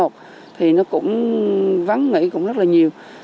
thì nó cũng vắng nghĩ cũng rất là nhiều